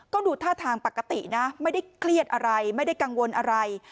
ก็ดูท่าทางปกตินะไม่ได้เครียดอะไรไม่ได้กังวลอะไร